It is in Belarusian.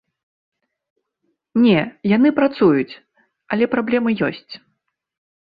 Не, яны працуюць, але праблемы ёсць.